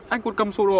anh còn cầm sổ đỏ cơ mà